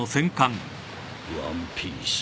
ワンピース？